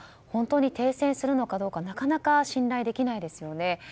本当に停戦するのかどうかなかなか信頼できないですよね。